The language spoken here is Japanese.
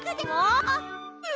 え？